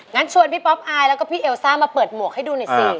งั้นชวนพี่ป๊อปอายแล้วก็พี่เอลซ่ามาเปิดหมวกให้ดูหน่อยสิ